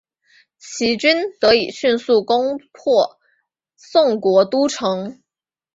齐军得以迅速攻破宋国都城。